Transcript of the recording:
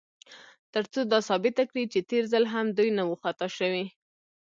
تر څو دا ثابته کړي، چې تېر ځل هم دوی نه و خطا شوي.